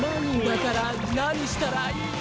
だから何したらいい？